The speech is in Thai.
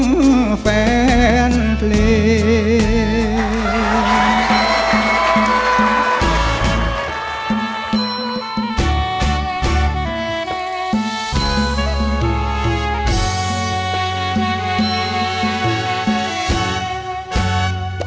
ขออยู่คู่แฟนเพลงไม่เคยคิดว่าเก่งหรือดังกว่าใครใคร